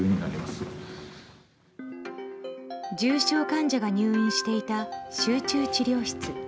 重症患者が入院していた集中治療室。